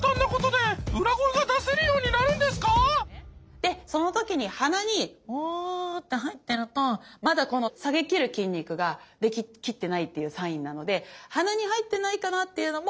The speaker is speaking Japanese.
でその時に鼻にホーって入ってるとまだこの下げきる筋肉ができきってないっていうサインなので鼻に入ってないかなっていうのも。